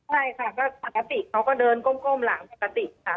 ใช่ค่ะก็ปกติเขาก็เดินก้มหลังปกติค่ะ